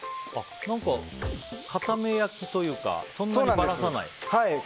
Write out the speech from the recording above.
固め焼きというかそんなにばらさない？